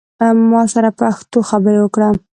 ما سره پښتو خبری اوکړه